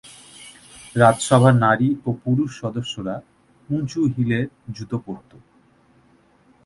রাজসভার নারী ও পুরুষ সদস্যরা উঁচু হিলের জুতো পরত।